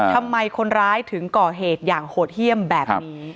ทำไมคนร้ายถึงก่อเหตุอย่างโหดเยี่ยมแบบนี้